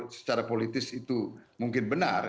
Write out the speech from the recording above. secara politis itu mungkin benar